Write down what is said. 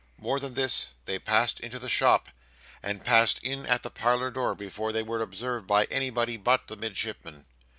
More than this, they passed into the shop, and passed in at the parlour door before they were observed by anybody but the Midshipman.